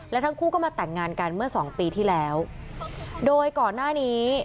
และทั้งคู่ก็มาแต่งงานกันเมื่อสองปีที่แล้วโดยก่อนหน้านี้